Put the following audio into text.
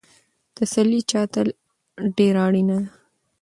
تسلي چا ته ډېره اړینه ده؟